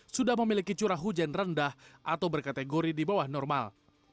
sudah memiliki curah hujan rendah atau berkategori di bawah normal